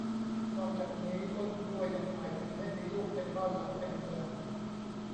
นอกจากนี้ ต้นกล้วยยังหมายถึงให้มีลูกเต็มบ้านหลานเต็มเมือง